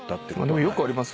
でもよくありますよね。